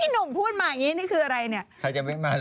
หนุ่มพูดมาอย่างนี้นี่คืออะไรเนี่ยใครจะวิ่งมาเห